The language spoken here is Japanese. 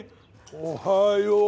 おはよう。